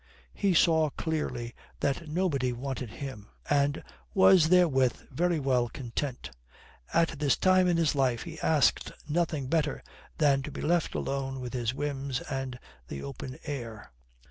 He saw clearly that nobody wanted him, and was therewith very well content. At this time in his life he asked nothing better than to be left alone with his whims and the open air.